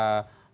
terima kasih pak